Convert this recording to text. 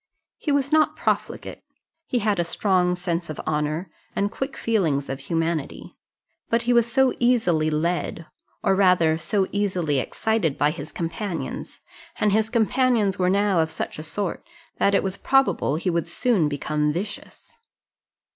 He was not profligate; he had a strong sense of honour, and quick feelings of humanity; but he was so easily led, or rather so easily excited by his companions, and his companions were now of such a sort, that it was probable he would soon become vicious.